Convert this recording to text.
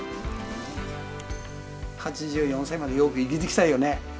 ８４歳までよく生きてきたよね。